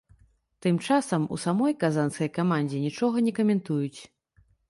Тым часам у самой казанскай камандзе нічога не каментуюць.